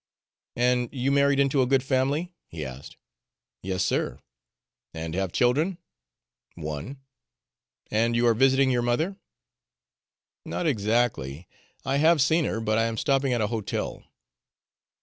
"And you married into a good family?" he asked. "Yes, sir." "And have children?" "One." "And you are visiting your mother?" "Not exactly. I have seen her, but I am stopping at a hotel."